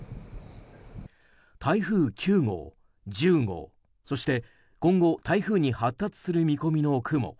台風９号、１０号そして今後、台風に発達する見込みの雲。